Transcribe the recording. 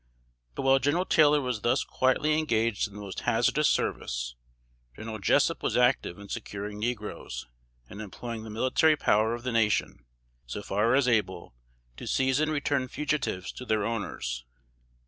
But while General Taylor was thus quietly engaged in the most hazardous service, General Jessup was active in securing negroes, and employing the military power of the nation, so far as able, to seize and return fugitives to their owners.